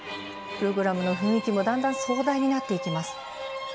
プログラムの雰囲気もだんだん壮大になっていきます。